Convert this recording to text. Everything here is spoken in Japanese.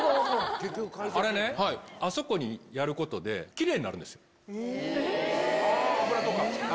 あれね、あそこにやることで、きれいになるんです。